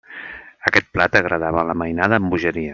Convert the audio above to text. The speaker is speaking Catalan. Aquest plat agradava a la mainada amb bogeria.